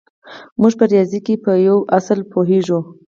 موږ په ریاضي کې په یوه اصل پوهېږو